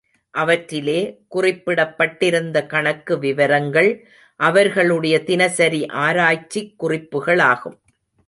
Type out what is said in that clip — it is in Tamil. அவற்றிலே, குறிப்பிடப் பட்டிருந்த கணக்கு விவரங்கள் அவர்களுடைய தினசரி ஆராய்ச்சிக் குறிப்புகளாகும்.